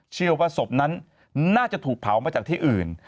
เชื่อว่าศพนั้นน่าจะถูกเผามาจากที่อื่น